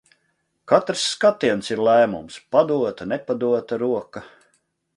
Katrs skatiens ir lēmums, padota, nepadota roka.